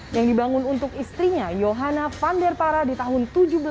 yang dibangun untuk istrinya johana van der para di tahun seribu tujuh ratus tujuh puluh satu